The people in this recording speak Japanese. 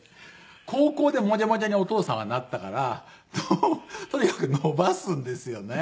高校でモジャモジャにお父さんはなったからとにかく伸ばすんですよね。